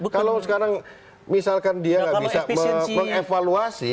kalau sekarang misalkan dia nggak bisa mengevaluasi